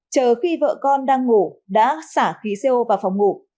chờ khi vợ con đang ngủ đã xả khí co vào phòng ngủ